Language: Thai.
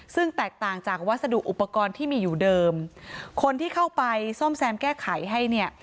ซึ่งแตกต่างจากวัสดุอุปกรณ์ที่มีอยู่เดิมคนที่เข้าไปซ่อมแซมแก้ไขให้เนี่ย